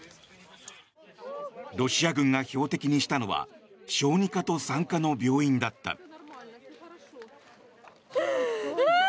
ロシア軍が標的にしたのは小児科と産科の病院だった。